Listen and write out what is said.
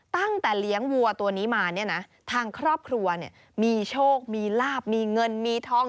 ตั้งแต่เลี้ยงวัวตัวนี้มาเนี่ยนะทางครอบครัวเนี่ยมีโชคมีลาบมีเงินมีทอง